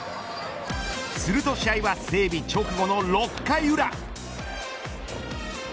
すると試合は整備直後の６回裏。